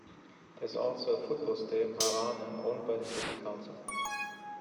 There is also a football stadium, "Harane", owned by the city council.